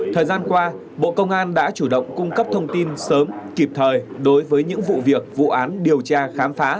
thời gian qua bộ công an đã chủ động cung cấp thông tin sớm kịp thời đối với những vụ việc vụ án điều tra khám phá